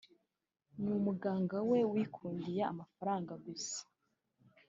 ni umuganga we wikundiye amafaranga gusa”